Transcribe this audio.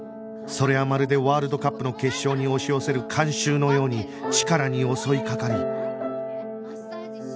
それはまるでワールドカップの決勝に押し寄せる観衆のようにチカラに襲いかかり